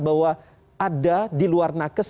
bahwa ada di luar nakes